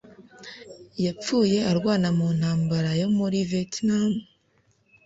Yapfuye arwana mu ntambara yo muri Vietnam